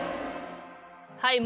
はい